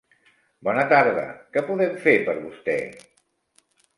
Bona tarda, què podem fer per vostè?